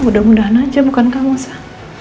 mudah mudahan aja bukan kamu sam